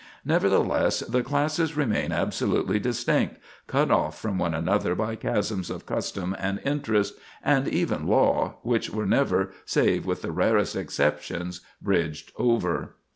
Nevertheless, the classes remained absolutely distinct, cut off from one another by chasms of custom and interest, and even law, which were never, save with the rarest exceptions, bridged over.